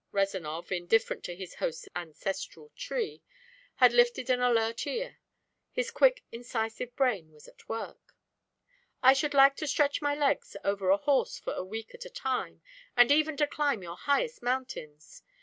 Rezanov, indifferent to his host's ancestral tree, had lifted an alert ear. His quick incisive brain was at work. "I should like to stretch my legs over a horse for a week at a time, and even to climb your highest mountains.